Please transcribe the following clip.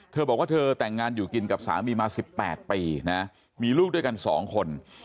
เธอบอกว่าเธอแต่งงานอยู่กินกับสามีมา๑๘ปีนะมีลูกด้วยกัน๒คน